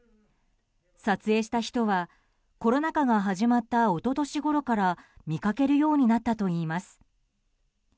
撮影した人はコロナ禍が始まった一昨年ごろから見かけるようになったといいます。